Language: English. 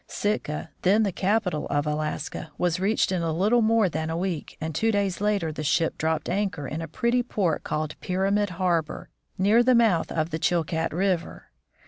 Sitka, then the capital of Alaska, was reached in a little more than a week, and two days later the ship dropped anchor in a pretty port called Pyramid harbor, near the mouth of the Chilkat river.